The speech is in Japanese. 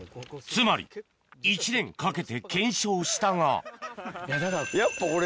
つまり１年かけて検証したがやっぱこれ。